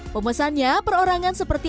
pemesannya perorangan seperti